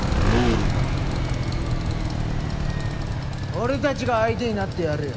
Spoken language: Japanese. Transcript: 俺たちが相手になってやるよ。